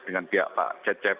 dengan pihak pak cecep